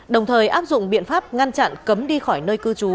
đồng thời áp dụng biện pháp ngăn chặn cấm đi khỏi nơi cư trú